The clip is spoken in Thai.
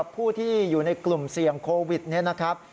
ผู้ที่อยู่ในกลุ่มเสี่ยงโควิดนี้นะครับ